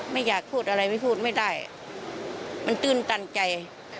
ไม่อยากพูดอะไรไม่พูดไม่ได้มันตื้นตันใจ